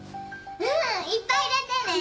うん！いっぱい入れてね！